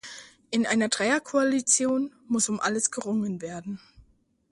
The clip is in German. In einer Dreier-Koalition muss um alles gerungen werden.